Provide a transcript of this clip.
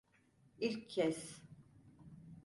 İlk kez.